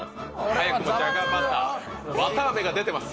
早くもじゃがバターわたあめが出てます。